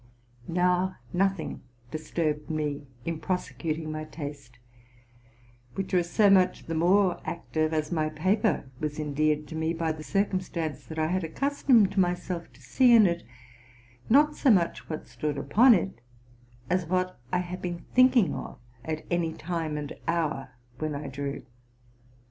Now nothing disturbed me in prosecuting my taste, which was so much the more active, as my paper was en deared to me by the circumstance that I had accustomed myself to see in it, not so much what stood upon it, as what I had been thinking of at any time and hour when I drew.